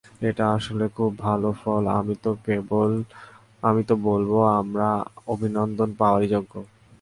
এটা আসলে খুব ভালো ফল, আমি তো বলব আমরা অভিনন্দন পাওয়ারই যোগ্য।